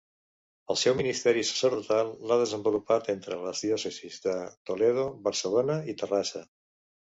El seu ministeri sacerdotal l'ha desenvolupat entre les diòcesis de Toledo, Barcelona i Terrassa.